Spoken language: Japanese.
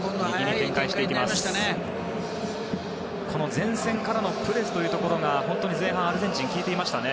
前線からのプレスというところが前半はアルゼンチン効いてましたね。